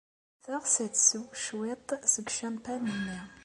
Teɣs ad tsew cwiṭ seg ucampan-nni.